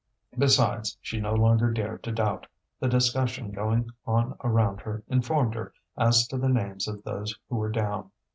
Besides, she no longer dared to doubt; the discussion going on around her informed her as to the names of those who were down.